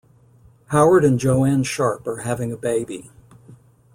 Howard and Joanne Sharp are having a baby.